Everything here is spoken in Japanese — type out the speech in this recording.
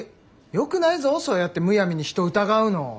よくないぞそうやってむやみに人を疑うの。